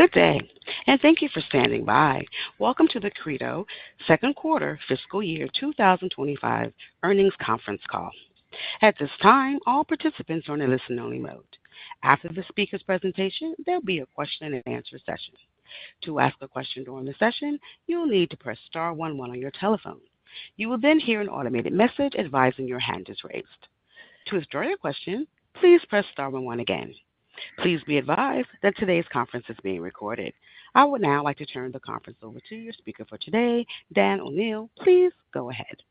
Good day, and thank you for standing by. Welcome to the Credo second quarter fiscal year 2025 earnings conference call. At this time, all participants are in a listen-only mode. After the speaker's presentation, there'll be a question-and-answer session. To ask a question during the session, you'll need to press star one one on your telephone. You will then hear an automated message advising your hand is raised. To withdraw your question, please press star one one again. Please be advised that today's conference is being recorded. I would now like to turn the conference over to your speaker for today, Dan O'Neil. Please go ahead.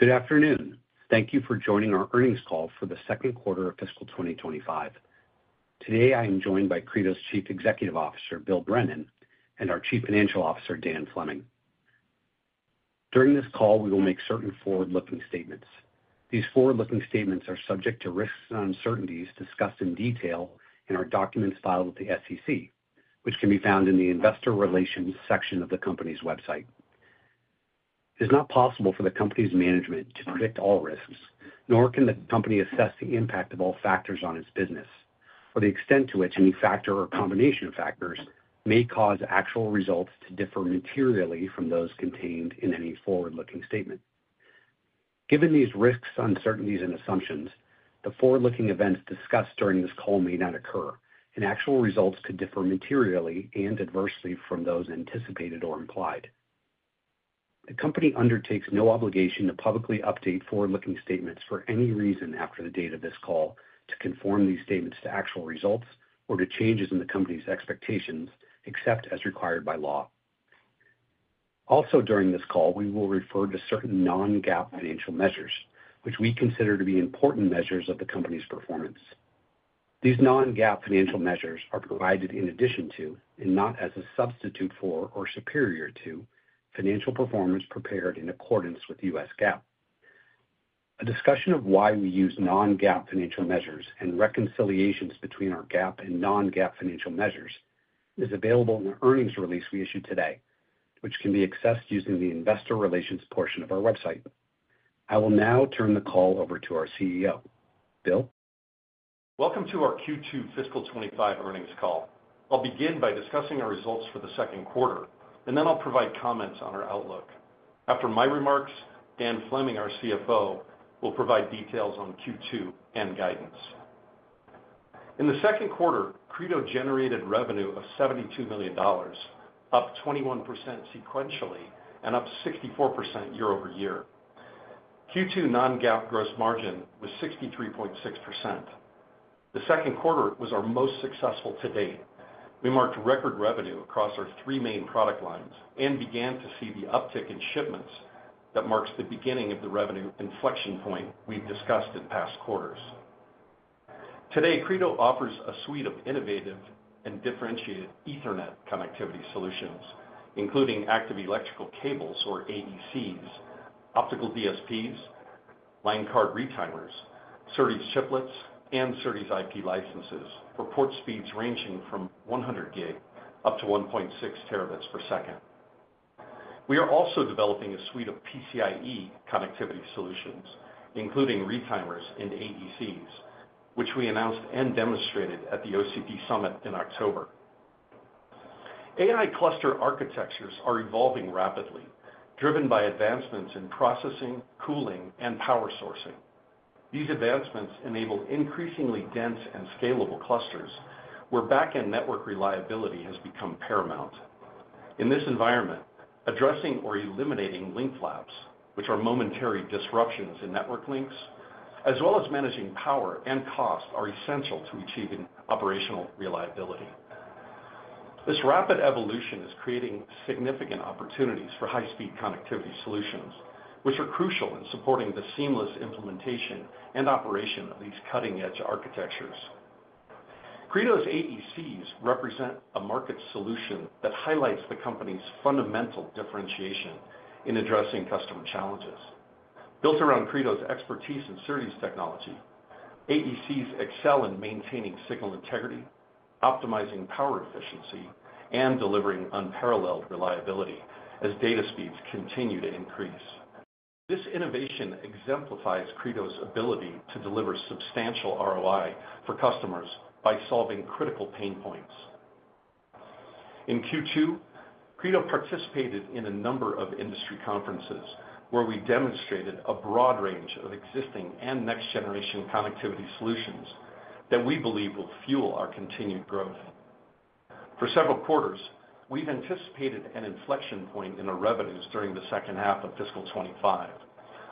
Good afternoon. Thank you for joining our earnings call for the second quarter of fiscal 2025. Today, I am joined by Credo's Chief Executive Officer, Bill Brennan, and our Chief Financial Officer, Dan Fleming. During this call, we will make certain forward-looking statements. These forward-looking statements are subject to risks and uncertainties discussed in detail in our documents filed with the SEC, which can be found in the investor relations section of the company's website. It is not possible for the company's management to predict all risks, nor can the company assess the impact of all factors on its business, or the extent to which any factor or combination of factors may cause actual results to differ materially from those contained in any forward-looking statement. Given these risks, uncertainties, and assumptions, the forward-looking events discussed during this call may not occur, and actual results could differ materially and adversely from those anticipated or implied. The company undertakes no obligation to publicly update forward-looking statements for any reason after the date of this call to conform these statements to actual results or to changes in the company's expectations, except as required by law. Also, during this call, we will refer to certain non-GAAP financial measures, which we consider to be important measures of the company's performance. These non-GAAP financial measures are provided in addition to, and not as a substitute for or superior to, financial performance prepared in accordance with U.S. GAAP. A discussion of why we use non-GAAP financial measures and reconciliations between our GAAP and non-GAAP financial measures is available in the earnings release we issued today, which can be accessed using the investor relations portion of our website. I will now turn the call over to our CEO, Bill. Welcome to our Q2 fiscal 2025 earnings call. I'll begin by discussing our results for the second quarter, and then I'll provide comments on our outlook. After my remarks, Dan Fleming, our CFO, will provide details on Q2 and guidance. In the second quarter, Credo generated revenue of $72 million, up 21% sequentially and up 64% year-over-year. Q2 non-GAAP gross margin was 63.6%. The second quarter was our most successful to date. We marked record revenue across our three main product lines and began to see the uptick in shipments that marks the beginning of the revenue inflection point we've discussed in past quarters. Today, Credo offers a suite of innovative and differentiated Ethernet connectivity solutions, including Active Electrical Cables, or AECs, optical DSPs, line card retimers, SerDes chiplets, and SerDes IP licenses for port speeds ranging from 100 Gbps up to 1.6 Tbps. We are also developing a suite of PCIe connectivity solutions, including retimers and AECs, which we announced and demonstrated at the OCP Summit in October. AI cluster architectures are evolving rapidly, driven by advancements in processing, cooling, and power sourcing. These advancements enable increasingly dense and scalable clusters, where back-end network reliability has become paramount. In this environment, addressing or eliminating link flaps, which are momentary disruptions in network links, as well as managing power and cost, are essential to achieving operational reliability. This rapid evolution is creating significant opportunities for high-speed connectivity solutions, which are crucial in supporting the seamless implementation and operation of these cutting-edge architectures. Credo's AECs represent a market solution that highlights the company's fundamental differentiation in addressing customer challenges. Built around Credo's expertise in SerDes technology, AECs excel in maintaining signal integrity, optimizing power efficiency, and delivering unparalleled reliability as data speeds continue to increase. This innovation exemplifies Credo's ability to deliver substantial ROI for customers by solving critical pain points. In Q2, Credo participated in a number of industry conferences where we demonstrated a broad range of existing and next-generation connectivity solutions that we believe will fuel our continued growth. For several quarters, we've anticipated an inflection point in our revenues during the second half of fiscal 2025.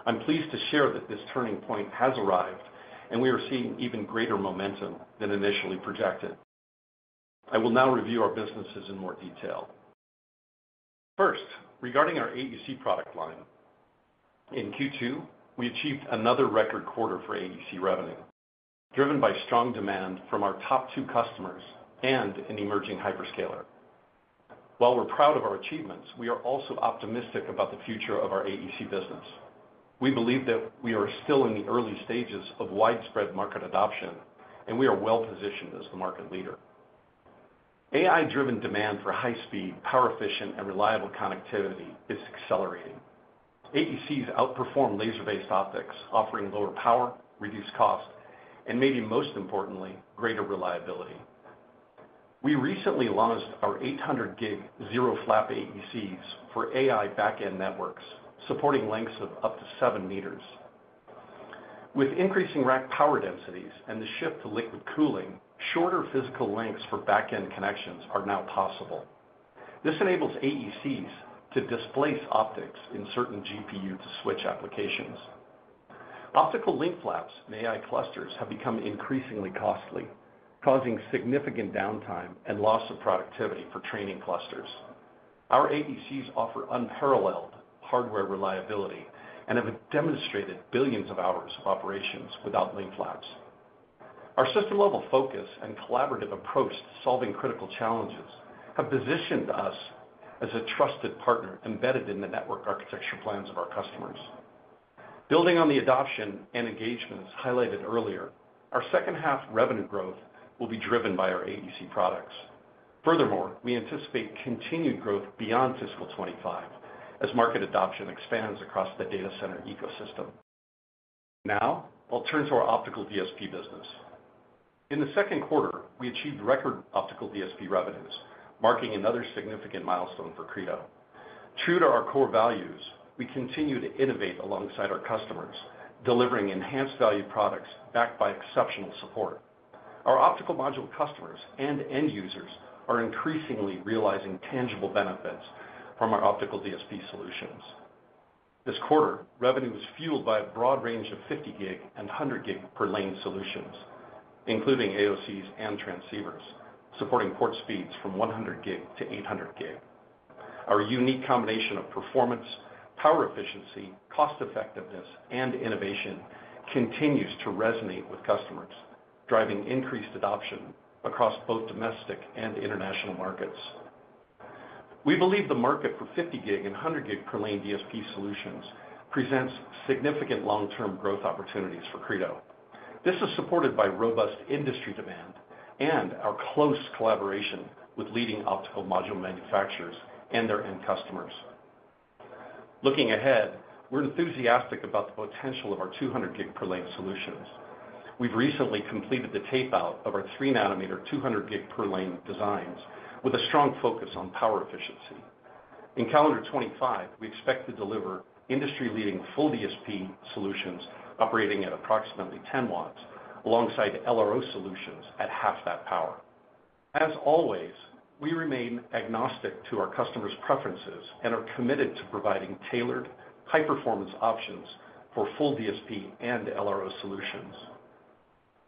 I'm pleased to share that this turning point has arrived, and we are seeing even greater momentum than initially projected. I will now review our businesses in more detail. First, regarding our AEC product line, in Q2, we achieved another record quarter for AEC revenue, driven by strong demand from our top two customers and an emerging hyperscaler. While we're proud of our achievements, we are also optimistic about the future of our AEC business. We believe that we are still in the early stages of widespread market adoption, and we are well-positioned as the market leader. AI-driven demand for high-speed, power-efficient, and reliable connectivity is accelerating. AECs outperform laser-based optics, offering lower power, reduced cost, and maybe most importantly, greater reliability. We recently launched our 800 Gbps ZeroFlap AECs for AI back-end networks, supporting lengths of up to 7 m. With increasing rack power densities and the shift to liquid cooling, shorter physical lengths for back-end connections are now possible. This enables AECs to displace optics in certain GPU-to-switch applications. Optical link flaps in AI clusters have become increasingly costly, causing significant downtime and loss of productivity for training clusters. Our AECs offer unparalleled hardware reliability and have demonstrated billions of hours of operations without link flaps. Our system-level focus and collaborative approach to solving critical challenges have positioned us as a trusted partner embedded in the network architecture plans of our customers. Building on the adoption and engagements highlighted earlier, our second-half revenue growth will be driven by our AEC products. Furthermore, we anticipate continued growth beyond fiscal 2025 as market adoption expands across the data center ecosystem. Now, I'll turn to our optical DSP business. In the second quarter, we achieved record optical DSP revenues, marking another significant milestone for Credo. True to our core values, we continue to innovate alongside our customers, delivering enhanced value products backed by exceptional support. Our optical module customers and end users are increasingly realizing tangible benefits from our optical DSP solutions. This quarter, revenue was fueled by a broad range of 50 Gbps and 100 Gbps per lane solutions, including AOCs and transceivers, supporting port speeds from 100 Gbps-800 Gbps. Our unique combination of performance, power efficiency, cost-effectiveness, and innovation continues to resonate with customers, driving increased adoption across both domestic and international markets. We believe the market for 50 Gbps and 100 Gbps per lane DSP solutions presents significant long-term growth opportunities for Credo. This is supported by robust industry demand and our close collaboration with leading optical module manufacturers and their end customers. Looking ahead, we're enthusiastic about the potential of our 200 Gbps per lane solutions. We've recently completed the tape-out of our 3 nm 200 Gbps per lane designs with a strong focus on power efficiency. In calendar 2025, we expect to deliver industry-leading full DSP solutions operating at approximately 10 W alongside LRO solutions at half that power. As always, we remain agnostic to our customers' preferences and are committed to providing tailored, high-performance options for full DSP and LRO solutions.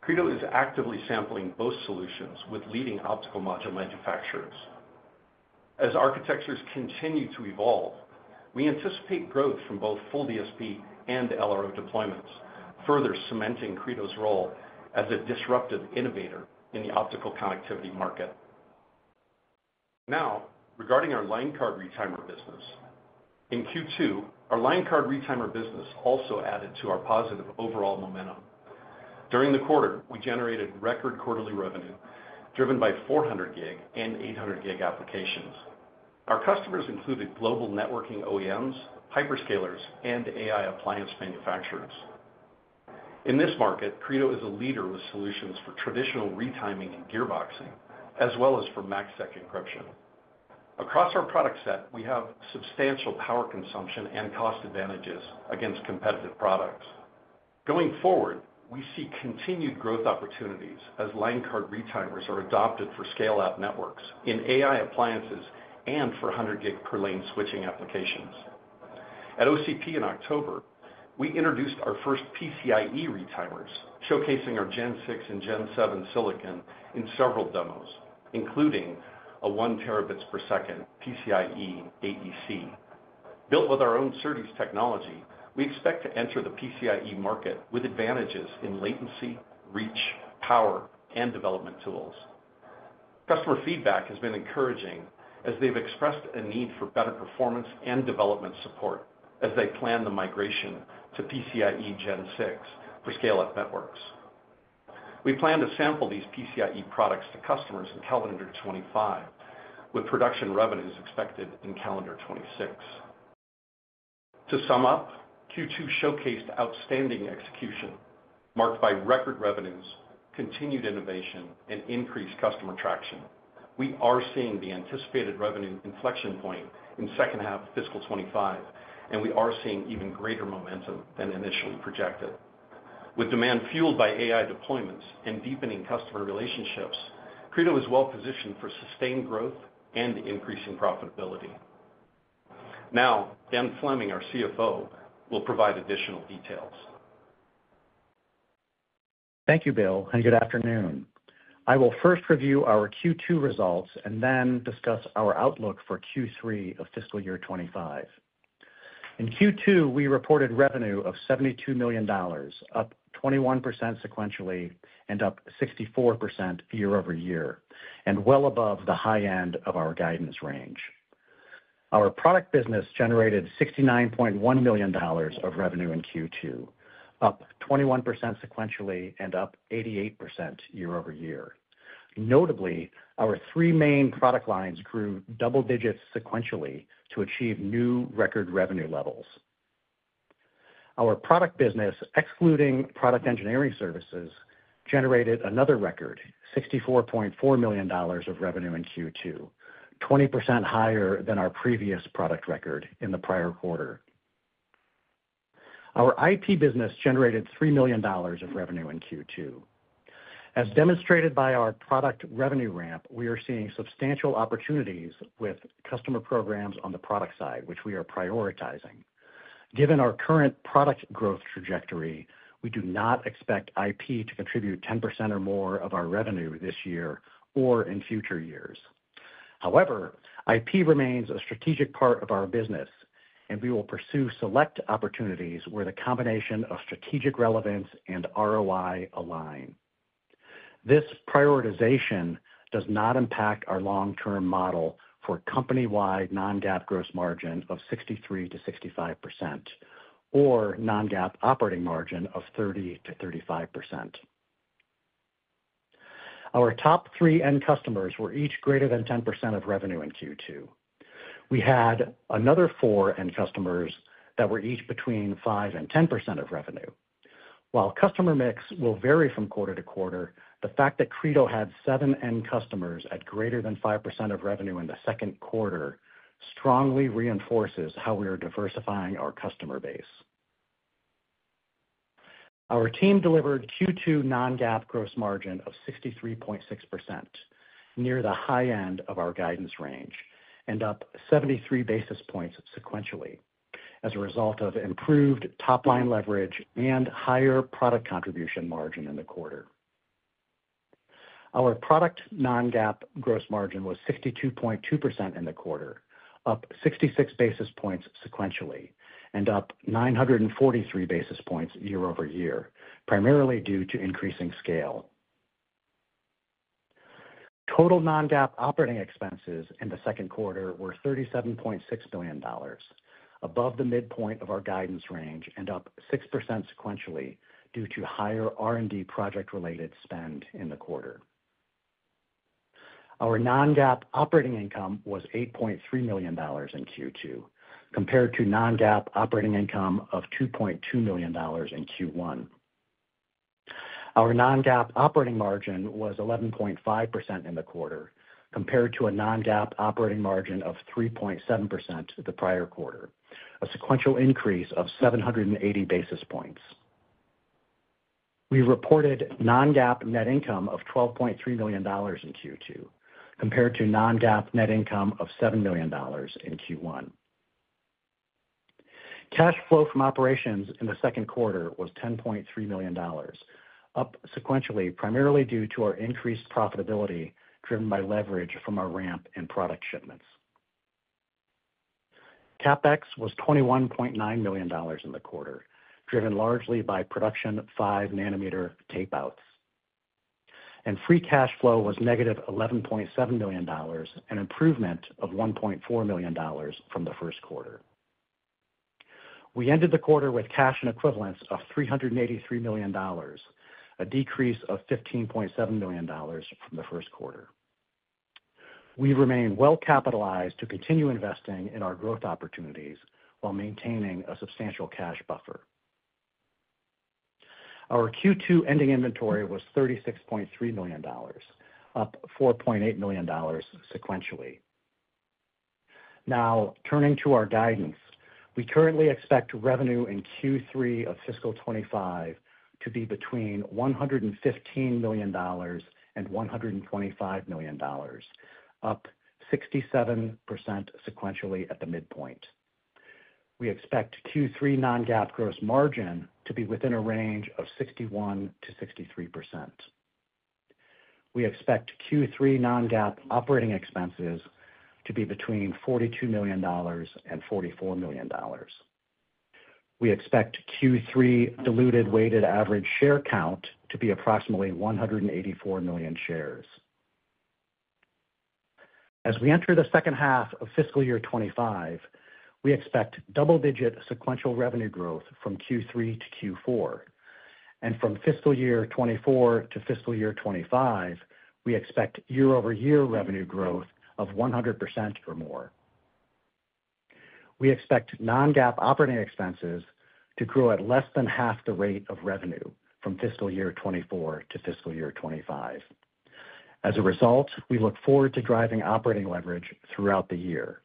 Credo is actively sampling both solutions with leading optical module manufacturers. As architectures continue to evolve, we anticipate growth from both full DSP and LRO deployments, further cementing Credo's role as a disruptive innovator in the optical connectivity market. Now, regarding our line card retimer business, in Q2, our line card retimer business also added to our positive overall momentum. During the quarter, we generated record quarterly revenue driven by 400 Gbps and 800 Gbps applications. Our customers included global networking OEMs, hyperscalers, and AI appliance manufacturers. In this market, Credo is a leader with solutions for traditional retiming and gearboxing, as well as for MACsec encryption. Across our product set, we have substantial power consumption and cost advantages against competitive products. Going forward, we see continued growth opportunities as line card retimers are adopted for scale-up networks in AI appliances and for 100 Gbps per lane switching applications. At OCP in October, we introduced our first PCIe retimers, showcasing our Gen6 and Gen7 silicon in several demos, including a 1 Tbps PCIe AEC. Built with our own SerDes technology, we expect to enter the PCIe market with advantages in latency, reach, power, and development tools. Customer feedback has been encouraging as they've expressed a need for better performance and development support as they plan the migration to PCIe Gen6 for scale-up networks. We plan to sample these PCIe products to customers in calendar 2025, with production revenues expected in calendar 2026. To sum up, Q2 showcased outstanding execution, marked by record revenues, continued innovation, and increased customer traction. We are seeing the anticipated revenue inflection point in second half of fiscal 2025, and we are seeing even greater momentum than initially projected. With demand fueled by AI deployments and deepening customer relationships, Credo is well-positioned for sustained growth and increasing profitability. Now, Dan Fleming, our CFO, will provide additional details. Thank you, Bill, and good afternoon. I will first review our Q2 results and then discuss our outlook for Q3 of fiscal year 2025. In Q2, we reported revenue of $72 million, up 21% sequentially and up 64% year-over-year, and well above the high end of our guidance range. Our product business generated $69.1 million of revenue in Q2, up 21% sequentially and up 88% year-over-year. Notably, our three main product lines grew double digits sequentially to achieve new record revenue levels. Our product business, excluding product engineering services, generated another record, $64.4 million of revenue in Q2, 20% higher than our previous product record in the prior quarter. Our IP business generated $3 million of revenue in Q2. As demonstrated by our product revenue ramp, we are seeing substantial opportunities with customer programs on the product side, which we are prioritizing. Given our current product growth trajectory, we do not expect IP to contribute 10% or more of our revenue this year or in future years. However, IP remains a strategic part of our business, and we will pursue select opportunities where the combination of strategic relevance and ROI align. This prioritization does not impact our long-term model for company-wide non-GAAP gross margin of 63%-65% or non-GAAP operating margin of 30%-35%. Our top three end customers were each greater than 10% of revenue in Q2. We had another four end customers that were each between 5% and 10% of revenue. While customer mix will vary from quarter to quarter, the fact that Credo had seven end customers at greater than 5% of revenue in the second quarter strongly reinforces how we are diversifying our customer base. Our team delivered Q2 non-GAAP gross margin of 63.6%, near the high end of our guidance range, and up 73 basis points sequentially as a result of improved top-line leverage and higher product contribution margin in the quarter. Our product non-GAAP gross margin was 62.2% in the quarter, up 66 basis points sequentially and up 943 basis points year-over-year, primarily due to increasing scale. Total non-GAAP operating expenses in the second quarter were $37.6 million, above the midpoint of our guidance range and up 6% sequentially due to higher R&D project-related spend in the quarter. Our non-GAAP operating income was $8.3 million in Q2, compared to non-GAAP operating income of $2.2 million in Q1. Our non-GAAP operating margin was 11.5% in the quarter, compared to a non-GAAP operating margin of 3.7% the prior quarter, a sequential increase of 780 basis points. We reported non-GAAP net income of $12.3 million in Q2, compared to non-GAAP net income of $7 million in Q1. Cash flow from operations in the second quarter was $10.3 million, up sequentially primarily due to our increased profitability driven by leverage from our ramp and product shipments. CapEx was $21.9 million in the quarter, driven largely by production 5 nm tape-outs. And free cash flow was -$11.7 million, an improvement of $1.4 million from the first quarter. We ended the quarter with cash and equivalents of $383 million, a decrease of $15.7 million from the first quarter. We remain well-capitalized to continue investing in our growth opportunities while maintaining a substantial cash buffer. Our Q2 ending inventory was $36.3 million, up $4.8 million sequentially. Now, turning to our guidance, we currently expect revenue in Q3 of fiscal 2025 to be between $115 million and $125 million, up 67% sequentially at the midpoint. We expect Q3 non-GAAP gross margin to be within a range of 61%-63%. We expect Q3 non-GAAP operating expenses to be between $42 million and $44 million. We expect Q3 diluted weighted average share count to be approximately 184 million shares. As we enter the second half of fiscal year 2025, we expect double-digit sequential revenue growth from Q3 to Q4. And from fiscal year 2024 to fiscal year 2025, we expect year-over-year revenue growth of 100% or more. We expect non-GAAP operating expenses to grow at less than half the rate of revenue from fiscal year 2024 to fiscal year 2025. As a result, we look forward to driving operating leverage throughout the year.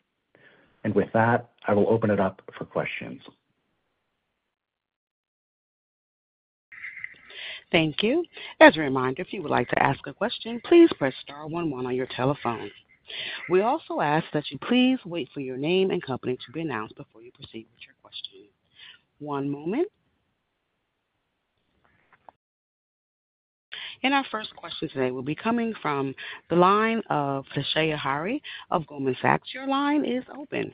With that, I will open it up for questions. Thank you. As a reminder, if you would like to ask a question, please press star one one on your telephone. We also ask that you please wait for your name and company to be announced before you proceed with your question. One moment, and our first question today will be coming from the line of Toshiya Hari of Goldman Sachs. Your line is open.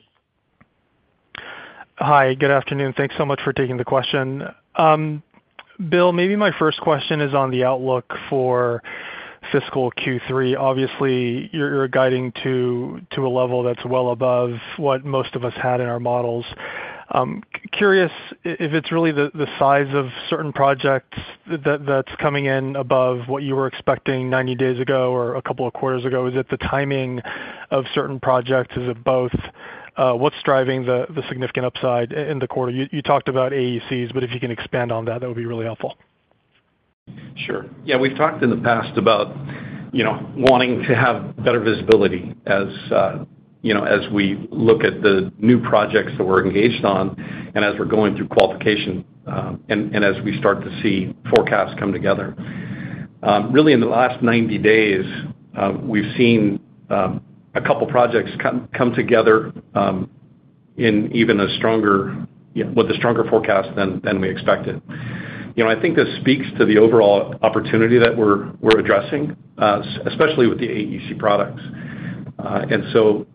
Hi. Good afternoon. Thanks so much for taking the question. Bill, maybe my first question is on the outlook for fiscal Q3. Obviously, you're guiding to a level that's well above what most of us had in our models. Curious if it's really the size of certain projects that's coming in above what you were expecting 90 days ago or a couple of quarters ago. Is it the timing of certain projects? Is it both? What's driving the significant upside in the quarter? You talked about AECs, but if you can expand on that, that would be really helpful. Sure. Yeah. We've talked in the past about wanting to have better visibility as we look at the new projects that we're engaged on and as we're going through qualification and as we start to see forecasts come together. Really, in the last 90 days, we've seen a couple of projects come together with a stronger forecast than we expected. I think this speaks to the overall opportunity that we're addressing, especially with the AEC products. And so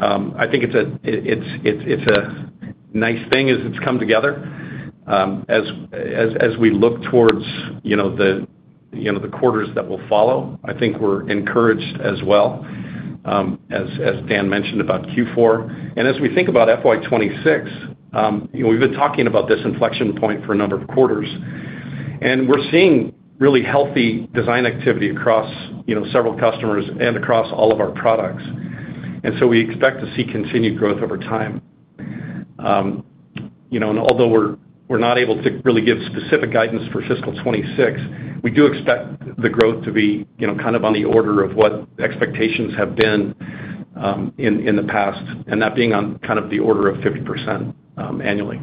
I think it's a nice thing as it's come together. As we look towards the quarters that will follow, I think we're encouraged as well, as Dan mentioned about Q4. And as we think about FY 2026, we've been talking about this inflection point for a number of quarters. And we're seeing really healthy design activity across several customers and across all of our products. And so we expect to see continued growth over time. And although we're not able to really give specific guidance for fiscal 2026, we do expect the growth to be kind of on the order of what expectations have been in the past, and that being on kind of the order of 50% annually.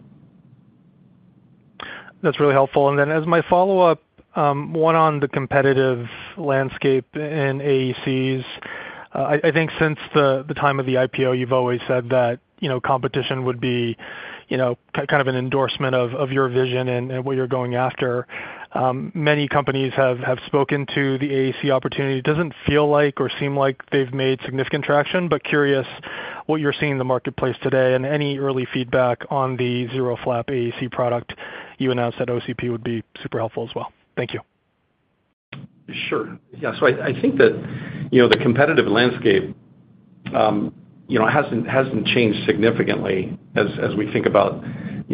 That's really helpful. And then as my follow-up, one on the competitive landscape in AECs. I think since the time of the IPO, you've always said that competition would be kind of an endorsement of your vision and what you're going after. Many companies have spoken to the AEC opportunity. It doesn't feel like or seem like they've made significant traction, but curious what you're seeing in the marketplace today and any early feedback on the ZeroFlap AEC product you announced at OCP would be super helpful as well. Thank you. Sure. Yeah. So I think that the competitive landscape hasn't changed significantly as we think about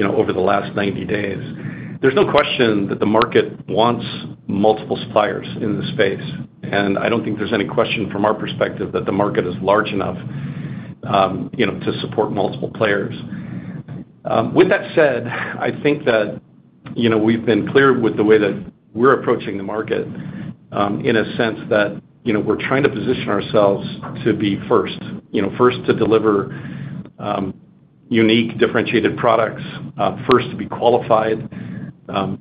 over the last 90 days. There's no question that the market wants multiple suppliers in this space. And I don't think there's any question from our perspective that the market is large enough to support multiple players. With that said, I think that we've been clear with the way that we're approaching the market in a sense that we're trying to position ourselves to be first, first to deliver unique, differentiated products, first to be qualified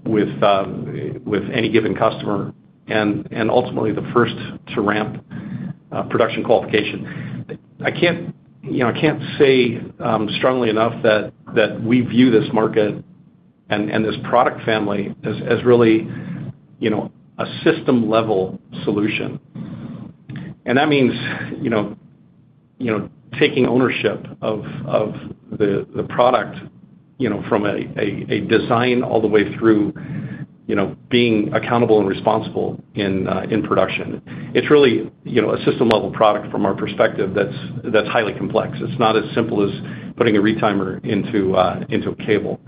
with any given customer, and ultimately the first to ramp production qualification. I can't say strongly enough that we view this market and this product family as really a system-level solution. And that means taking ownership of the product from a design all the way through being accountable and responsible in production. It's really a system-level product from our perspective that's highly complex. It's not as simple as putting a retimer into a cable.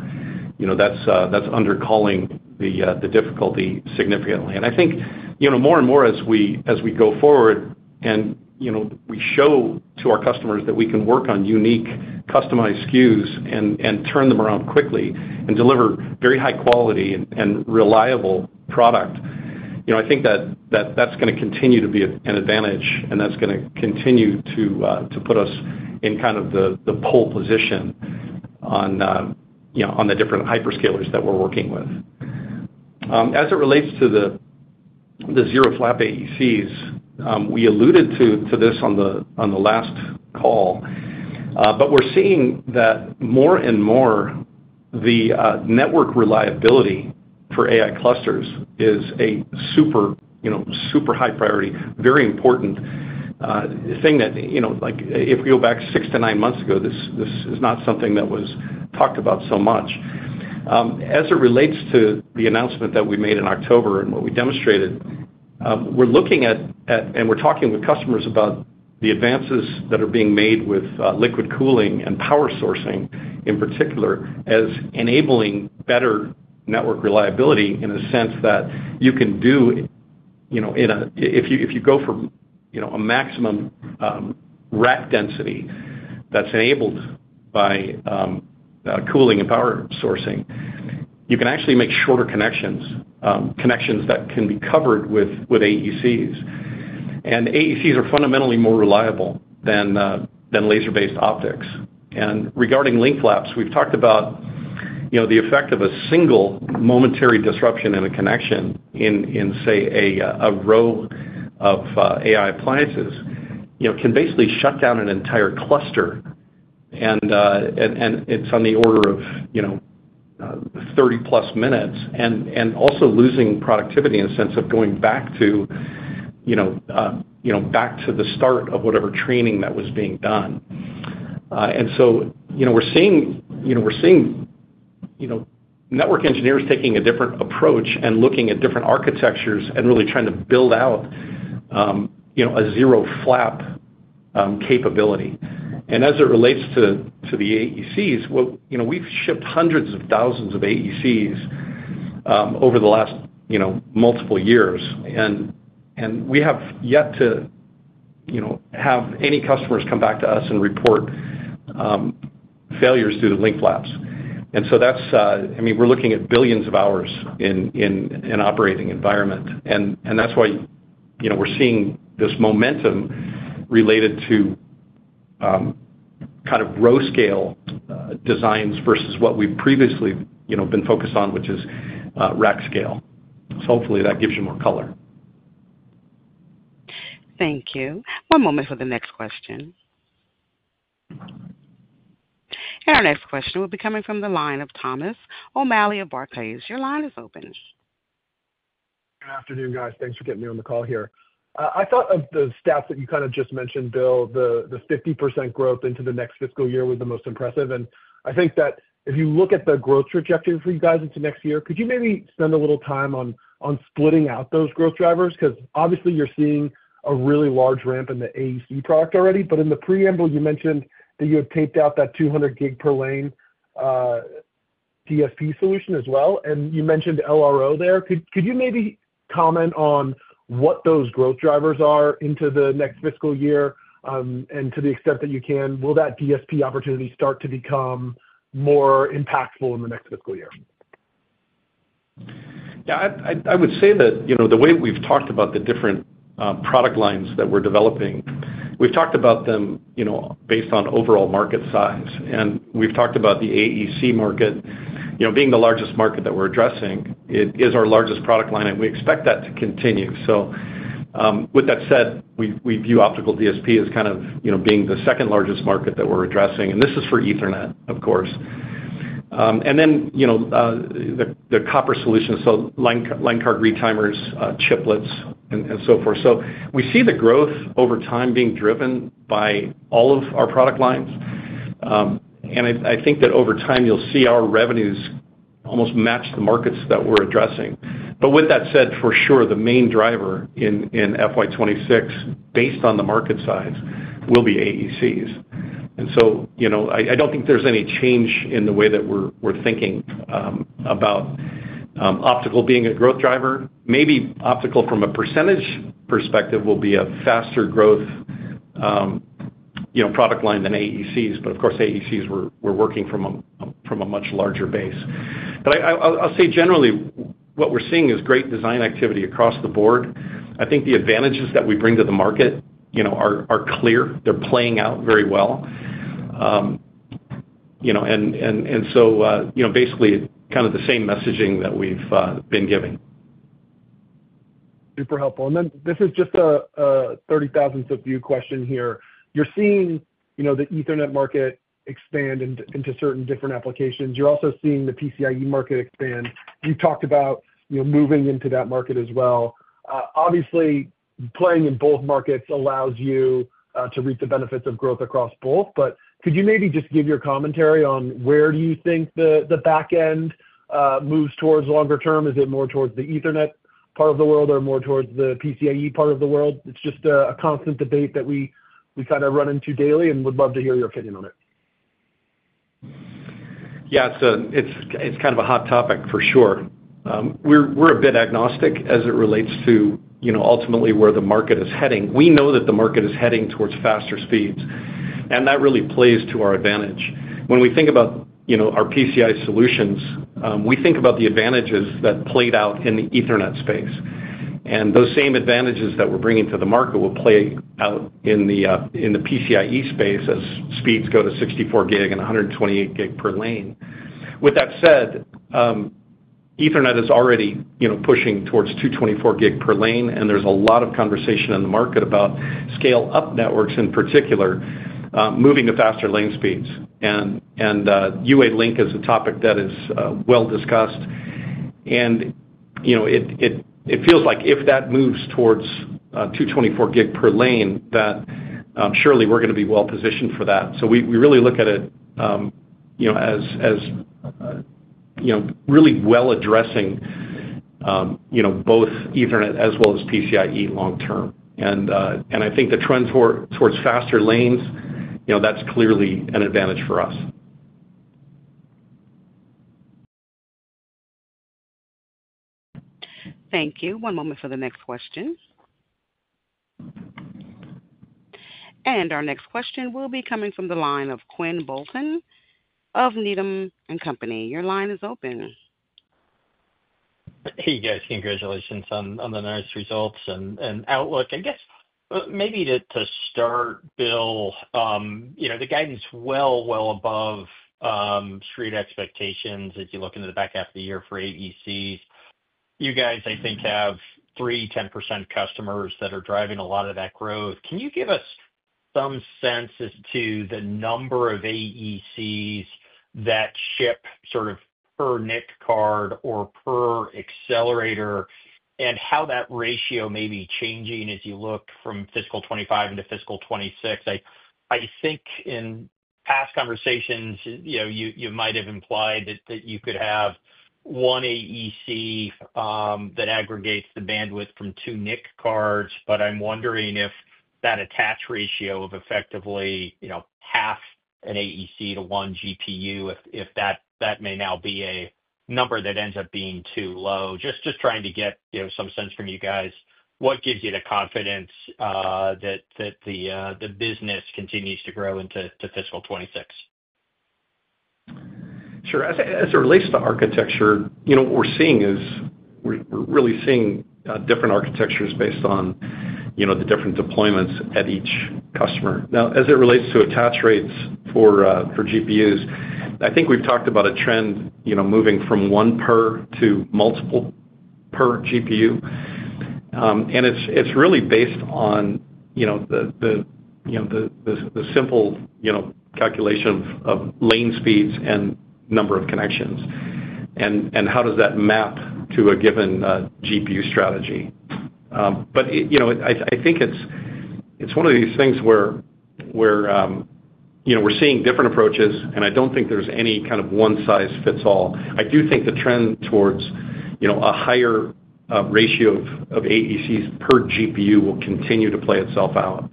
That's undercalling the difficulty significantly, and I think more and more as we go forward and we show to our customers that we can work on unique customized SKUs and turn them around quickly and deliver very high-quality and reliable product, I think that that's going to continue to be an advantage, and that's going to continue to put us in kind of the pole position on the different hyperscalers that we're working with. As it relates to the ZeroFlap AECs, we alluded to this on the last call, but we're seeing that more and more the network reliability for AI clusters is a super high priority, very important thing that if we go back six to nine months ago, this is not something that was talked about so much. As it relates to the announcement that we made in October and what we demonstrated, we're looking at and we're talking with customers about the advances that are being made with liquid cooling and power sourcing in particular as enabling better network reliability in a sense that you can do if you go for a maximum rack density that's enabled by cooling and power sourcing, you can actually make shorter connections, connections that can be covered with AECs, and AECs are fundamentally more reliable than laser-based optics. Regarding link flaps, we've talked about the effect of a single momentary disruption in a connection in, say, a row of AI appliances can basically shut down an entire cluster. It's on the order of 30+ minutes and also losing productivity in the sense of going back to the start of whatever training that was being done. We're seeing network engineers taking a different approach and looking at different architectures and really trying to build out a ZeroFlap capability. As it relates to the AECs, we've shipped hundreds of thousands of AECs over the last multiple years. We have yet to have any customers come back to us and report failures due to link flaps. That's, I mean, we're looking at billions of hours in an operating environment. And that's why we're seeing this momentum related to kind of row-scale designs versus what we've previously been focused on, which is rack-scale. So hopefully that gives you more color. Thank you. One moment for the next question. And our next question will be coming from the line of Thomas O'Malley of Barclays. Your line is open. Good afternoon, guys. Thanks for getting me on the call here. I thought of the stats that you kind of just mentioned, Bill. The 50% growth into the next fiscal year was the most impressive. I think that if you look at the growth trajectory for you guys into next year, could you maybe spend a little time on splitting out those growth drivers? Because obviously you're seeing a really large ramp in the AEC product already. In the preamble, you mentioned that you had taped out that 200 Gbps per lane DSP solution as well. You mentioned LRO there. Could you maybe comment on what those growth drivers are into the next fiscal year? To the extent that you can, will that DSP opportunity start to become more impactful in the next fiscal year? Yeah. I would say that the way we've talked about the different product lines that we're developing, we've talked about them based on overall market size. And we've talked about the AEC market being the largest market that we're addressing. It is our largest product line, and we expect that to continue. So with that said, we view optical DSP as kind of being the second largest market that we're addressing. And this is for Ethernet, of course. And then the copper solutions, so line card retimers, chiplets, and so forth. So we see the growth over time being driven by all of our product lines. And I think that over time, you'll see our revenues almost match the markets that we're addressing. But with that said, for sure, the main driver in FY 2026, based on the market size, will be AECs. And so I don't think there's any change in the way that we're thinking about optical being a growth driver. Maybe optical, from a percentage perspective, will be a faster growth product line than AECs. But of course, AECs, we're working from a much larger base. But I'll say generally, what we're seeing is great design activity across the board. I think the advantages that we bring to the market are clear. They're playing out very well. And so basically, kind of the same messaging that we've been giving. Super helpful. Then this is just a 30,000-foot view question here. You're seeing the Ethernet market expand into certain different applications. You're also seeing the PCIe market expand. You talked about moving into that market as well. Obviously, playing in both markets allows you to reap the benefits of growth across both. But could you maybe just give your commentary on where do you think the backend moves towards longer term? Is it more towards the Ethernet part of the world or more towards the PCIe part of the world? It's just a constant debate that we kind of run into daily and would love to hear your opinion on it. Yeah. It's kind of a hot topic, for sure. We're a bit agnostic as it relates to ultimately where the market is heading. We know that the market is heading towards faster speeds, and that really plays to our advantage. When we think about our PCIe solutions, we think about the advantages that played out in the Ethernet space, and those same advantages that we're bringing to the market will play out in the PCIe space as speeds go to 64 Gbps and 128 Gbps per lane. With that said, Ethernet is already pushing towards 224 Gbps per lane, and there's a lot of conversation in the market about scale-up networks in particular, moving to faster lane speeds, and UALink is a topic that is well discussed, and it feels like if that moves towards 224 Gbps per lane, that surely we're going to be well positioned for that. We really look at it as really well addressing both Ethernet as well as PCIe long-term. I think the trend towards faster lanes, that's clearly an advantage for us. Thank you. One moment for the next question. And our next question will be coming from the line of Quinn Bolton of Needham & Company. Your line is open. Hey, guys. Congratulations on the nice results and outlook. I guess maybe to start, Bill, the guidance is well, well above street expectations as you look into the back half of the year for AECs. You guys, I think, have three 10% customers that are driving a lot of that growth. Can you give us some sense as to the number of AECs that ship sort of per NIC card or per accelerator and how that ratio may be changing as you look from fiscal 2025 into fiscal 2026? I think in past conversations, you might have implied that you could have one AEC that aggregates the bandwidth from two NIC cards. But I'm wondering if that attach ratio of effectively half an AEC to one GPU, if that may now be a number that ends up being too low. Just trying to get some sense from you guys. What gives you the confidence that the business continues to grow into fiscal 2026? Sure. As it relates to architecture, what we're seeing is we're really seeing different architectures based on the different deployments at each customer. Now, as it relates to attach rates for GPUs, I think we've talked about a trend moving from one per to multiple per GPU. And it's really based on the simple calculation of lane speeds and number of connections and how does that map to a given GPU strategy. But I think it's one of these things where we're seeing different approaches. And I don't think there's any kind of one-size-fits-all. I do think the trend towards a higher ratio of AECs per GPU will continue to play itself out.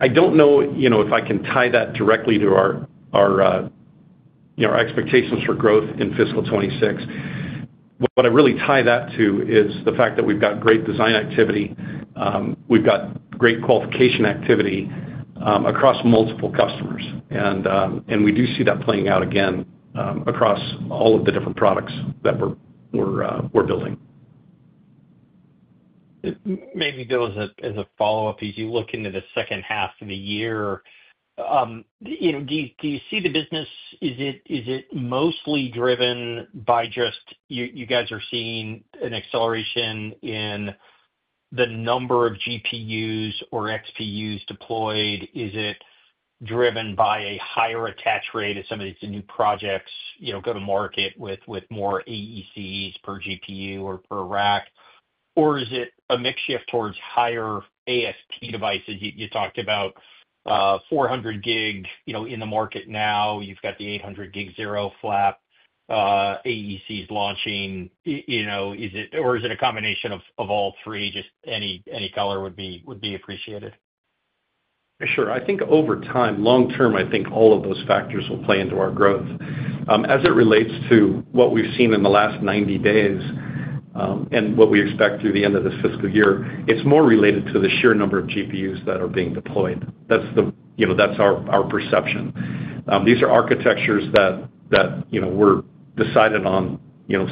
I don't know if I can tie that directly to our expectations for growth in fiscal 2026. What I really tie that to is the fact that we've got great design activity. We've got great qualification activity across multiple customers, and we do see that playing out again across all of the different products that we're building. Maybe, Bill, as a follow-up, as you look into the second half of the year, do you see the business? Is it mostly driven by just you guys are seeing an acceleration in the number of GPUs or XPUs deployed? Is it driven by a higher attach rate as some of these new projects go to market with more AECs per GPU or per rack? Or is it a mix shift towards higher ASP devices? You talked about 400 Gbps in the market now. You've got the 800 Gbps ZeroFlap AECs launching. Or is it a combination of all three? Just any color would be appreciated. Sure. I think over time, long-term, I think all of those factors will play into our growth. As it relates to what we've seen in the last 90 days and what we expect through the end of this fiscal year, it's more related to the sheer number of GPUs that are being deployed. That's our perception. These are architectures that were decided on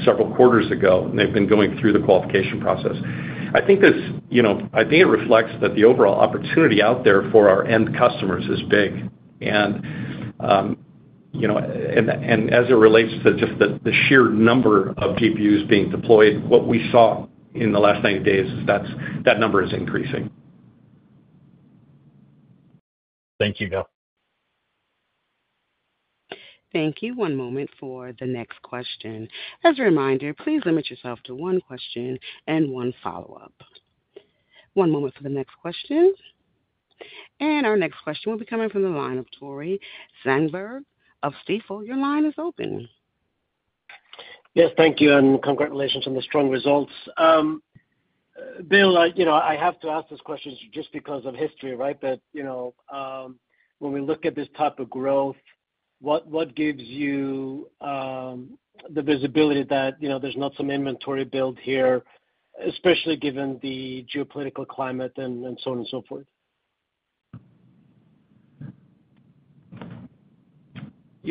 several quarters ago, and they've been going through the qualification process. I think it reflects that the overall opportunity out there for our end customers is big, and as it relates to just the sheer number of GPUs being deployed, what we saw in the last 90 days is that number is increasing. Thank you, Bill. Thank you. One moment for the next question. As a reminder, please limit yourself to one question and one follow-up. One moment for the next question. And our next question will be coming from the line of Tore Svanberg of Stifel. Your line is open. Yes. Thank you. And congratulations on the strong results. Bill, I have to ask this question just because of history, right? But when we look at this type of growth, what gives you the visibility that there's not some inventory build here, especially given the geopolitical climate and so on and so forth?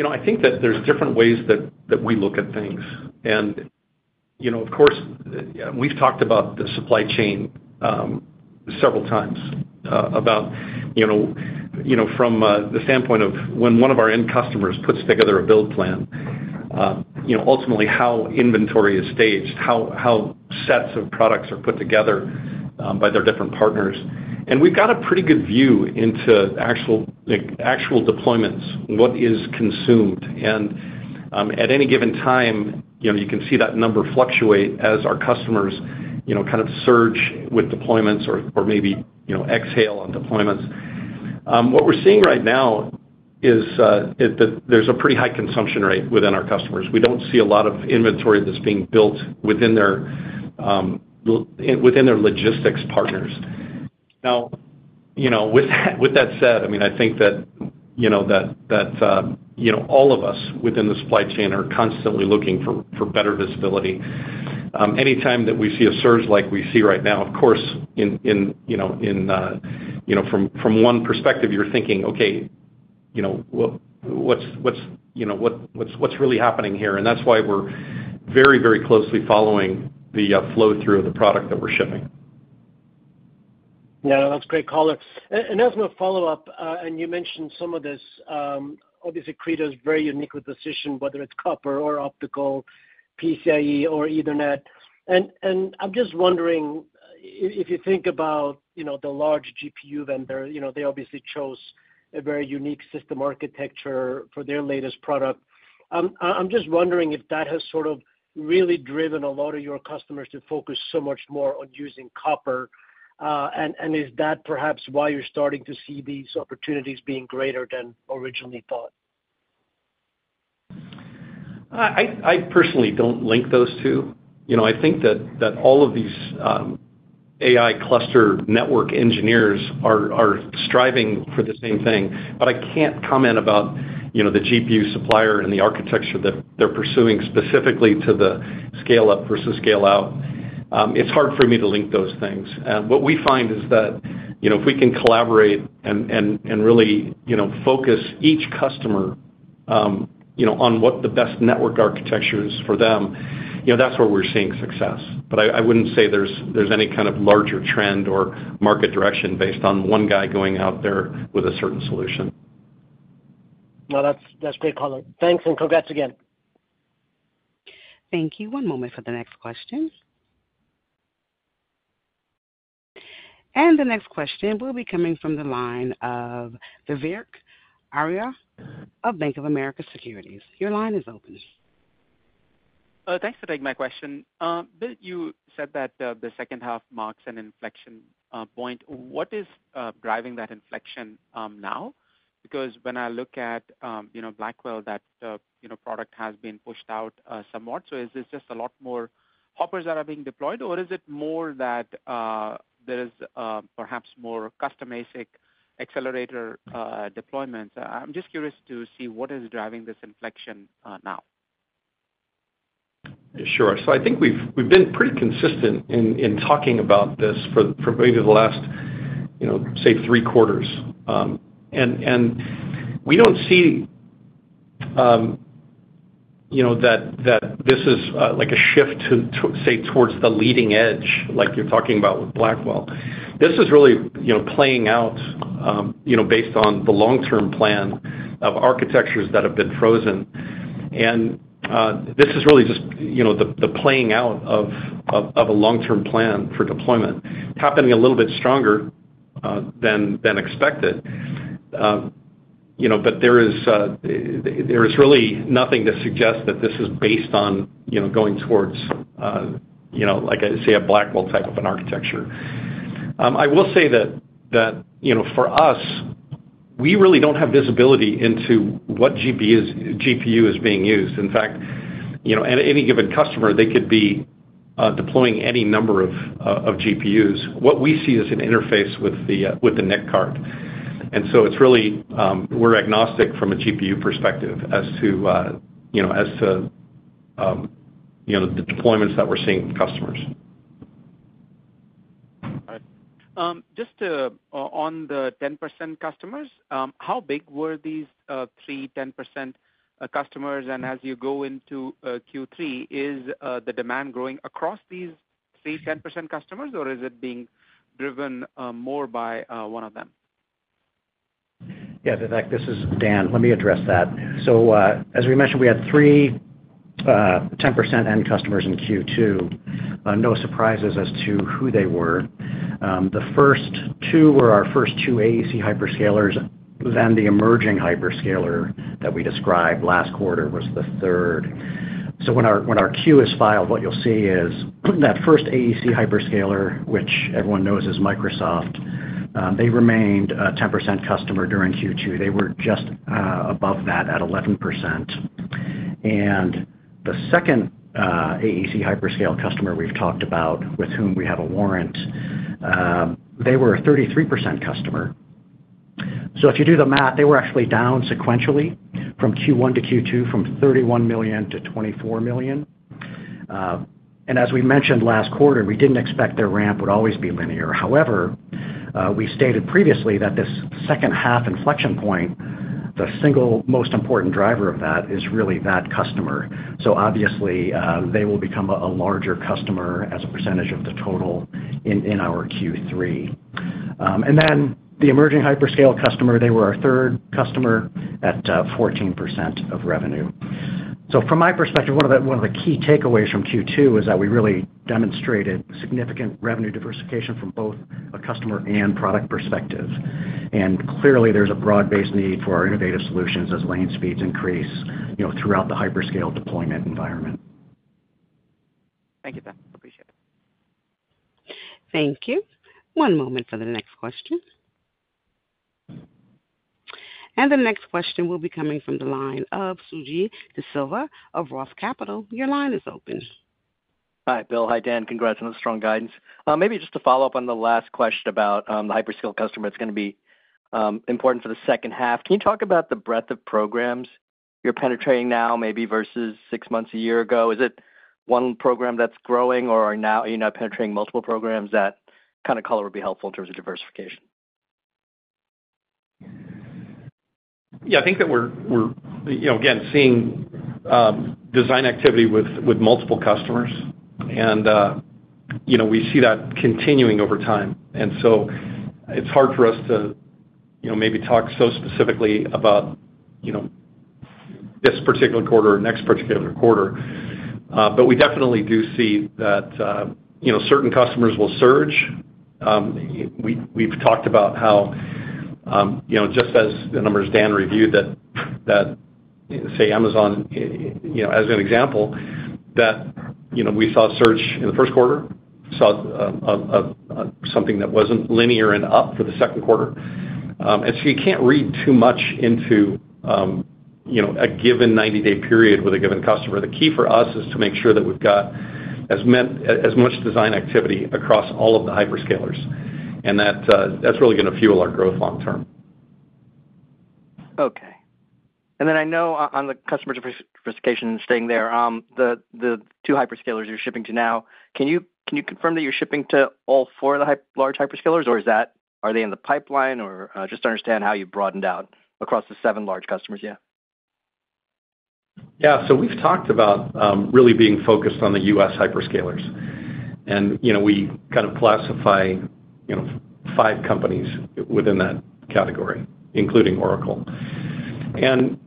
I think that there's different ways that we look at things. And of course, we've talked about the supply chain several times about from the standpoint of when one of our end customers puts together a build plan, ultimately how inventory is staged, how sets of products are put together by their different partners. And we've got a pretty good view into actual deployments, what is consumed. And at any given time, you can see that number fluctuate as our customers kind of surge with deployments or maybe exhale on deployments. What we're seeing right now is that there's a pretty high consumption rate within our customers. We don't see a lot of inventory that's being built within their logistics partners. Now, with that said, I mean, I think that all of us within the supply chain are constantly looking for better visibility. Anytime that we see a surge like we see right now, of course, from one perspective, you're thinking, "Okay, what's really happening here?" And that's why we're very, very closely following the flow through of the product that we're shipping. Yeah. That's great color. And as a follow-up, and you mentioned some of this, obviously, Credo is very unique with the position, whether it's copper or optical, PCIe, or Ethernet. And I'm just wondering, if you think about the large GPU vendor, they obviously chose a very unique system architecture for their latest product. I'm just wondering if that has sort of really driven a lot of your customers to focus so much more on using copper. And is that perhaps why you're starting to see these opportunities being greater than originally thought? I personally don't link those two. I think that all of these AI cluster network engineers are striving for the same thing. But I can't comment about the GPU supplier and the architecture that they're pursuing specifically to the scale-up versus scale-out. It's hard for me to link those things. And what we find is that if we can collaborate and really focus each customer on what the best network architecture is for them, that's where we're seeing success. But I wouldn't say there's any kind of larger trend or market direction based on one guy going out there with a certain solution. That's great color. Thanks and congrats again. Thank you. One moment for the next question. The next question will be coming from the line of Vivek Arya of Bank of America Securities. Your line is open. Thanks for taking my question. Bill, you said that the second half marks an inflection point. What is driving that inflection now? Because when I look at Blackwell, that product has been pushed out somewhat. So is this just a lot more Hoppers that are being deployed? Or is it more that there is perhaps more custom ASIC accelerator deployments? I'm just curious to see what is driving this inflection now. Sure. So I think we've been pretty consistent in talking about this for maybe the last, say, three quarters. And we don't see that this is a shift to, say, towards the leading edge like you're talking about with Blackwell. This is really playing out based on the long-term plan of architectures that have been frozen. And this is really just the playing out of a long-term plan for deployment happening a little bit stronger than expected. But there is really nothing to suggest that this is based on going towards, like I say, a Blackwell type of an architecture. I will say that for us, we really don't have visibility into what GPU is being used. In fact, at any given customer, they could be deploying any number of GPUs. What we see is an interface with the NIC card. And so it's really we're agnostic from a GPU perspective as to the deployments that we're seeing from customers. All right. Just on the 10% customers, how big were these three 10% customers? And as you go into Q3, is the demand growing across these three 10% customers? Or is it being driven more by one of them? Yeah. Vivek, this is Dan. Let me address that. So as we mentioned, we had three 10% end customers in Q2. No surprises as to who they were. The first two were our first two AEC hyperscalers. Then the emerging hyperscaler that we described last quarter was the third. So when our 10-Q is filed, what you'll see is that first AEC hyperscaler, which everyone knows is Microsoft, they remained a 10% customer during Q2. They were just above that at 11%. And the second AEC hyperscaler customer we've talked about with whom we have a warrant, they were a 33% customer. So if you do the math, they were actually down sequentially from Q1 to Q2 from $31 million to $24 million. And as we mentioned last quarter, we didn't expect their ramp would always be linear. However, we stated previously that this second half inflection point, the single most important driver of that is really that customer. So obviously, they will become a larger customer as a percentage of the total in our Q3. And then the emerging hyperscale customer, they were our third customer at 14% of revenue. So from my perspective, one of the key takeaways from Q2 is that we really demonstrated significant revenue diversification from both a customer and product perspective. And clearly, there's a broad-based need for our innovative solutions as lane speeds increase throughout the hyperscale deployment environment. Thank you, Dan. Appreciate it. Thank you. One moment for the next question. The next question will be coming from the line of Suji DeSilva of Roth Capital. Your line is open. Hi, Bill. Hi, Dan. Congrats on the strong guidance. Maybe just to follow up on the last question about the hyperscale customer, it's going to be important for the second half. Can you talk about the breadth of programs you're penetrating now maybe versus six months, a year ago? Is it one program that's growing? Or are you now penetrating multiple programs that kind of color would be helpful in terms of diversification? Yeah. I think that we're, again, seeing design activity with multiple customers. And we see that continuing over time. And so it's hard for us to maybe talk so specifically about this particular quarter or next particular quarter. But we definitely do see that certain customers will surge. We've talked about how just as the numbers Dan reviewed that, say, Amazon as an example, that we saw a surge in the first quarter, saw something that wasn't linear and up for the second quarter. And so you can't read too much into a given 90-day period with a given customer. The key for us is to make sure that we've got as much design activity across all of the hyperscalers. And that's really going to fuel our growth long-term. Okay. And then I know on the customer diversification staying there, the two hyperscalers you're shipping to now, can you confirm that you're shipping to all four of the large hyperscalers? Or are they in the pipeline? Or just understand how you broadened out across the seven large customers yet. Yeah. So we've talked about really being focused on the U.S. hyperscalers. And we kind of classify five companies within that category, including Oracle. And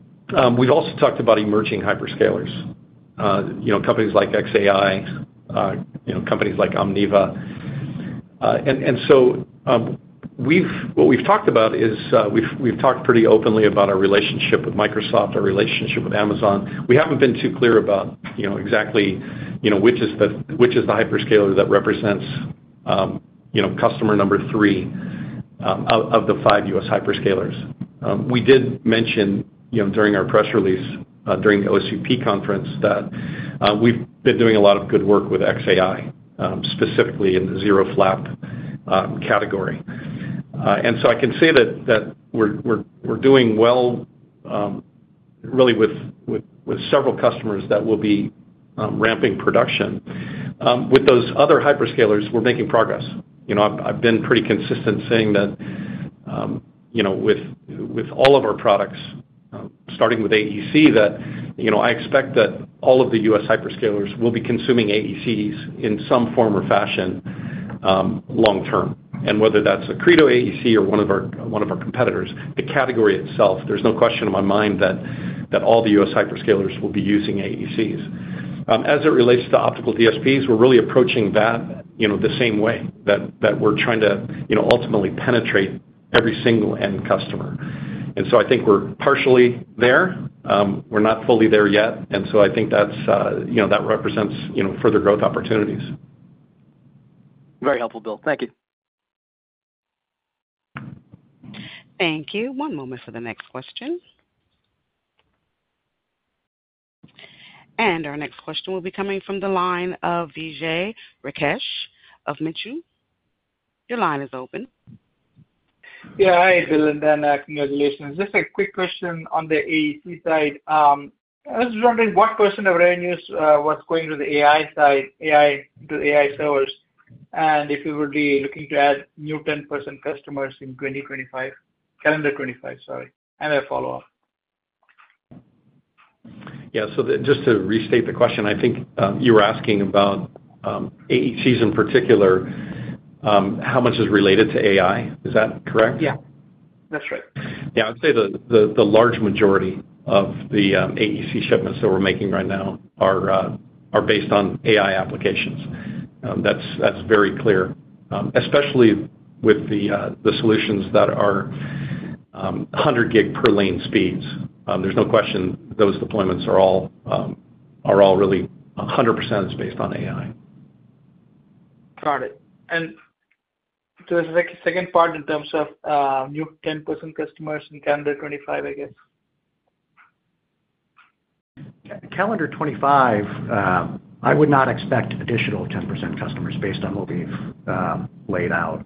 we've also talked about emerging hyperscalers, companies like xAI, companies like OpenAI. And so what we've talked about is we've talked pretty openly about our relationship with Microsoft, our relationship with Amazon. We haven't been too clear about exactly which is the hyperscaler that represents customer number three of the five U.S. hyperscalers. We did mention during our press release during the OCP conference that we've been doing a lot of good work with xAI, specifically in the ZeroFlap category. And so I can say that we're doing well really with several customers that will be ramping production. With those other hyperscalers, we're making progress. I've been pretty consistent saying that with all of our products, starting with AEC, that I expect that all of the U.S. hyperscalers will be consuming AECs in some form or fashion long-term. And whether that's a Credo AEC or one of our competitors, the category itself, there's no question in my mind that all the U.S. hyperscalers will be using AECs. As it relates to optical DSPs, we're really approaching that the same way that we're trying to ultimately penetrate every single end customer. And so I think we're partially there. We're not fully there yet. And so I think that represents further growth opportunities. Very helpful, Bill. Thank you. Thank you. One moment for the next question. And our next question will be coming from the line of Vijay Rakesh of Mizuho. Your line is open. Yeah. Hi, Bill. And Dan, congratulations. Just a quick question on the AEC side. I was wondering what percent of revenues was going to the AI side, AI to AI servers? And if you would be looking to add new 10% customers in 2025, calendar 2025, sorry. And a follow-up. Yeah. So just to restate the question, I think you were asking about AECs in particular, how much is related to AI? Is that correct? Yeah. That's right. Yeah. I'd say the large majority of the AEC shipments that we're making right now are based on AI applications. That's very clear, especially with the solutions that are 100 Gbps per lane speeds. There's no question those deployments are all really 100% is based on AI. Got it. And so there's a second part in terms of new 10% customers in calendar 2025, I guess. Calendar 2025, I would not expect additional 10% customers based on what we've laid out.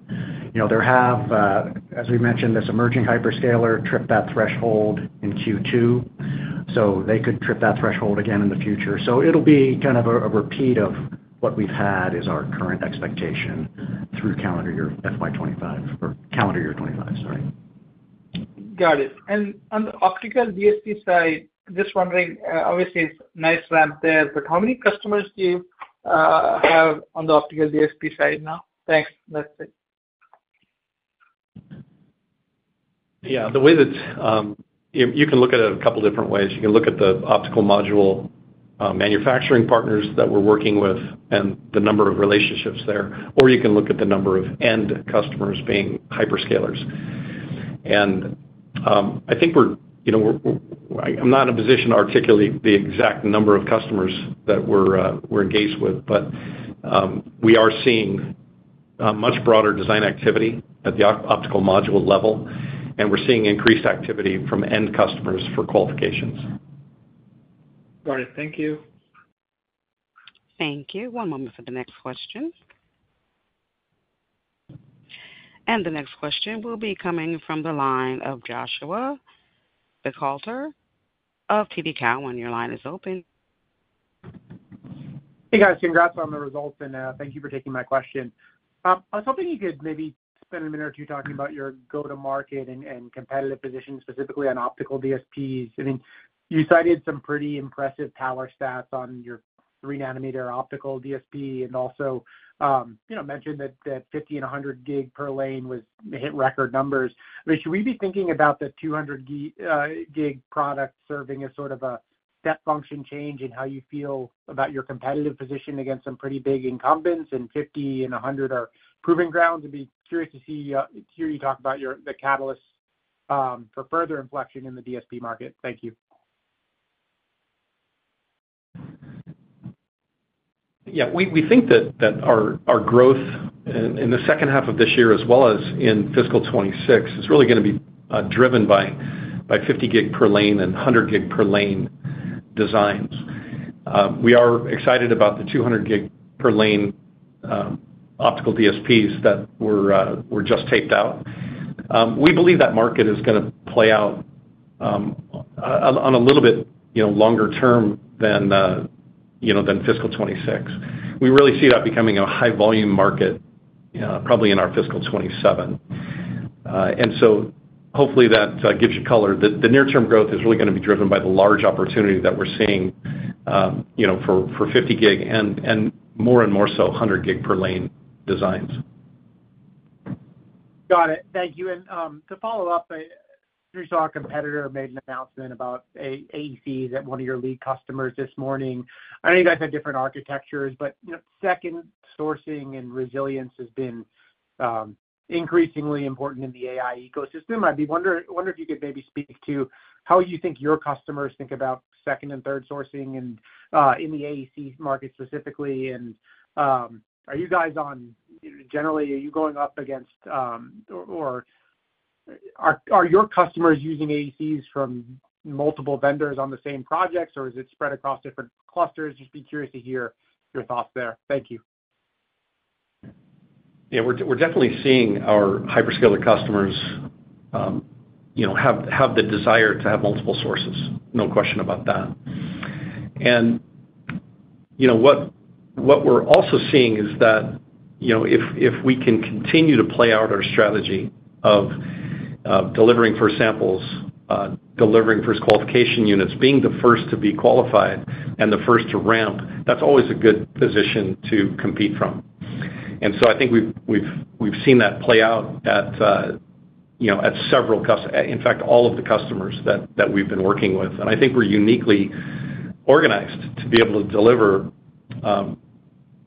There have, as we mentioned, this emerging hyperscaler tripped that threshold in Q2. So they could trip that threshold again in the future. So it'll be kind of a repeat of what we've had is our current expectation through calendar year FY 2025 or calendar year 2025, sorry. Got it. And on the optical DSP side, just wondering, obviously, it's nice ramp there. But how many customers do you have on the optical DSP side now? Thanks. That's it. Yeah. The way that you can look at it a couple of different ways. You can look at the optical module manufacturing partners that we're working with and the number of relationships there. Or you can look at the number of end customers being hyperscalers. And I think we're not in a position to articulate the exact number of customers that we're engaged with. But we are seeing much broader design activity at the optical module level. And we're seeing increased activity from end customers for qualifications. Got it. Thank you. Thank you. One moment for the next question, and the next question will be coming from the line of Joshua Buchalter of TD Cowen. Your line is open. Hey, guys. Congrats on the results and thank you for taking my question. I was hoping you could maybe spend a minute or two talking about your go-to-market and competitive position, specifically on optical DSPs. I mean, you cited some pretty impressive power stats on your 3 nm optical DSP and also mentioned that 50 Gbps and 100 Gbps per lane was hit record numbers. I mean, should we be thinking about the 200 Gbps product serving as sort of a step function change in how you feel about your competitive position against some pretty big incumbents and 50 Gbps and 100 Gbps are proving grounds? I'd be curious to hear you talk about the catalysts for further inflection in the DSP market. Thank you. Yeah. We think that our growth in the second half of this year as well as in fiscal 2026 is really going to be driven by 50 Gbps per lane and 100 Gbps per lane designs. We are excited about the 200 Gbps per lane optical DSPs that were just taped out. We believe that market is going to play out on a little bit longer term than fiscal 2026. We really see that becoming a high-volume market probably in our fiscal 2027. And so hopefully, that gives you color. The near-term growth is really going to be driven by the large opportunity that we're seeing for 50 Gbps and more and more so 100 Gbps per lane designs. Got it. Thank you, and to follow up, I heard you saw a competitor made an announcement about AECs at one of your lead customers this morning. I know you guys have different architectures, but second sourcing and resilience has been increasingly important in the AI ecosystem. I'd be wondering if you could maybe speak to how you think your customers think about second and third sourcing in the AEC market specifically, and are you guys generally, are you going up against or are your customers using AECs from multiple vendors on the same projects? Or is it spread across different clusters? Just be curious to hear your thoughts there. Thank you. Yeah. We're definitely seeing our hyperscaler customers have the desire to have multiple sources. No question about that. And what we're also seeing is that if we can continue to play out our strategy of delivering first samples, delivering first qualification units, being the first to be qualified, and the first to ramp, that's always a good position to compete from. And so I think we've seen that play out at several customers, in fact, all of the customers that we've been working with. And I think we're uniquely organized to be able to deliver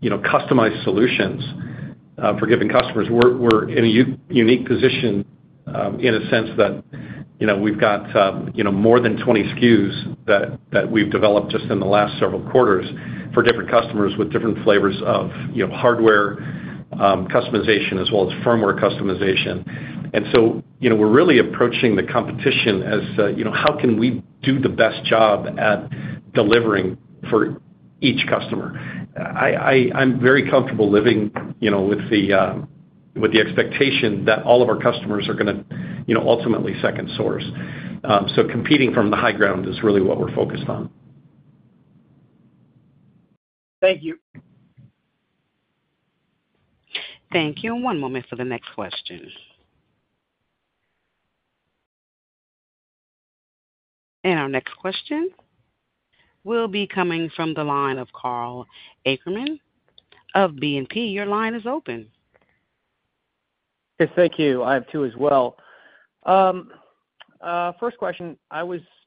customized solutions for given customers. We're in a unique position in a sense that we've got more than 20 SKUs that we've developed just in the last several quarters for different customers with different flavors of hardware customization as well as firmware customization. And so we're really approaching the competition as how can we do the best job at delivering for each customer. I'm very comfortable living with the expectation that all of our customers are going to ultimately second source. So competing from the high ground is really what we're focused on. Thank you. Thank you. One moment for the next question. And our next question will be coming from the line of Karl Ackerman of BNP. Your line is open. Okay. Thank you. I have two as well. First question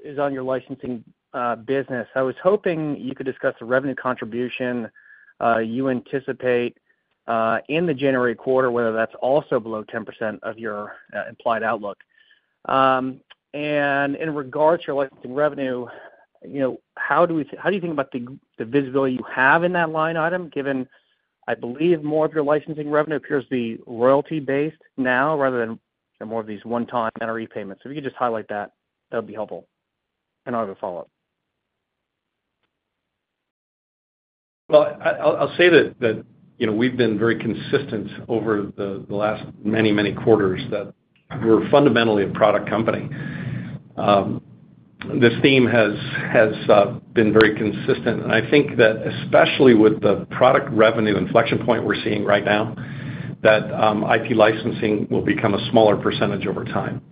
is on your licensing business. I was hoping you could discuss the revenue contribution you anticipate in the January quarter, whether that's also below 10% of your implied outlook. And in regards to your licensing revenue, how do you think about the visibility you have in that line item, given I believe more of your licensing revenue appears to be royalty-based now rather than more of these one-time NRE payments? If you could just highlight that, that would be helpful. And I'll have a follow-up. I'll say that we've been very consistent over the last many, many quarters that we're fundamentally a product company. This theme has been very consistent. I think that especially with the product revenue inflection point we're seeing right now, that IP licensing will become a smaller percentage over time.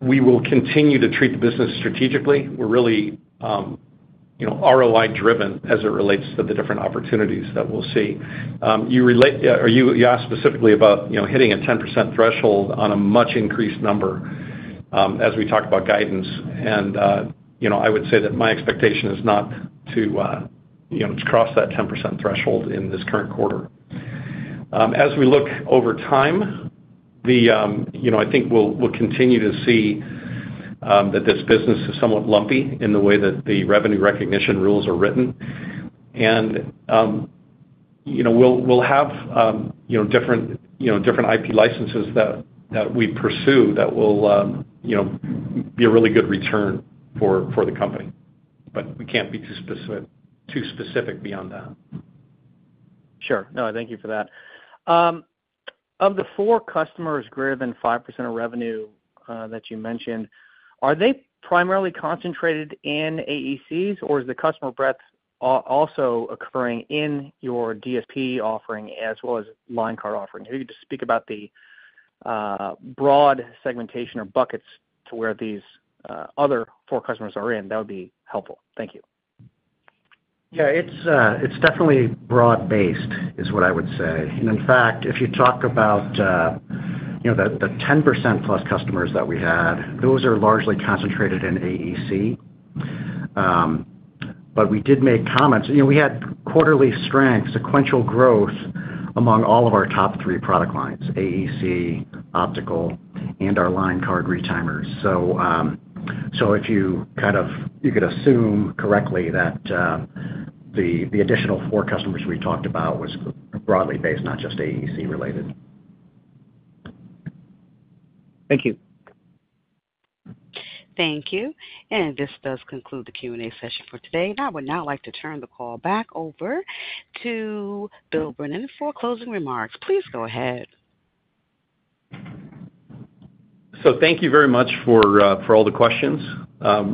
We will continue to treat the business strategically. We're really ROI-driven as it relates to the different opportunities that we'll see. You asked specifically about hitting a 10% threshold on a much increased number as we talk about guidance. I would say that my expectation is not to cross that 10% threshold in this current quarter. As we look over time, I think we'll continue to see that this business is somewhat lumpy in the way that the revenue recognition rules are written. We'll have different IP licenses that we pursue that will be a really good return for the company. We can't be too specific beyond that. Sure. No, thank you for that. Of the four customers greater than 5% of revenue that you mentioned, are they primarily concentrated in AECs? Or is the customer breadth also occurring in your DSP offering as well as line card offering? If you could just speak about the broad segmentation or buckets to where these other four customers are in, that would be helpful. Thank you. Yeah. It's definitely broad-based is what I would say. And in fact, if you talk about the 10%+ customers that we had, those are largely concentrated in AEC. But we did make comments. We had quarterly strength, sequential growth among all of our top three product lines: AEC, optical, and our line card retimers. So if you kind of could assume correctly that the additional four customers we talked about were broadly based, not just AEC-related. Thank you. Thank you. And this does conclude the Q&A session for today. And I would now like to turn the call back over to Bill Brennan for closing remarks. Please go ahead. So thank you very much for all the questions.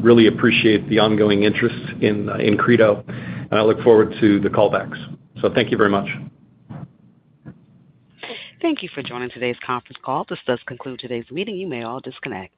Really appreciate the ongoing interest in Credo. And I look forward to the callbacks. So thank you very much. Thank you for joining today's conference call. This does conclude today's meeting. You may all disconnect.